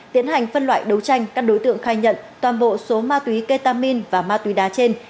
tiến hành phân loại đấu tranh các đối tượng khai nhận toàn bộ số ma túy ketamin và ma túy đá trên